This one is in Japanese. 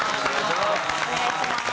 お願いします。